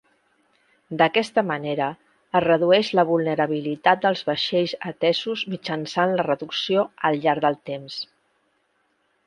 D'aquesta manera es redueix la vulnerabilitat dels vaixells atesos mitjançant la reducció al llarg del temps.